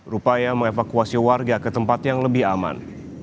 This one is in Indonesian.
rupaya mengevakuasi warga ke tempat yang lebih aman